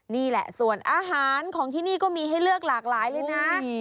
นี่แหละส่วนอาหารของที่นี่ก็มีให้เลือกหลากหลายเลยนะ